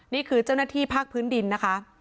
นี่คือเจ้าหน้าที่ภาคพื้นดินนะคะ